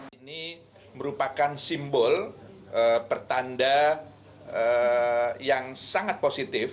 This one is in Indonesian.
ini merupakan simbol pertanda yang sangat positif